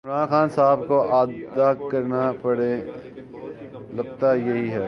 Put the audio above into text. عمران خان صاحب کو ادا کرنا پڑے لگتا یہی ہے